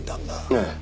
ええ。